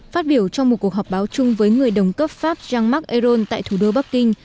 phát biểu trong một cuộc họp báo chung với người đồng cấp pháp jean marc ayron tại thủ đô bắc kinh